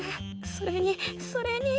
それにそれに。